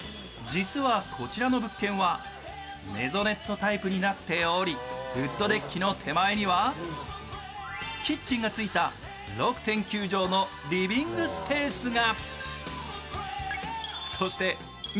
実はこちらの物件はメゾネットタイプになっておりウッドデッキの手前にはキッチンがついた６．９畳のリビングスペースが。